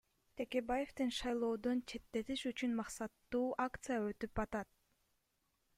Текебаевдин шайлоодон четтетиш үчүн максаттуу акция өтүп атат.